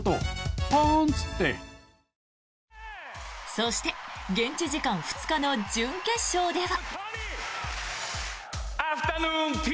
そして、現地時間２日の準決勝では。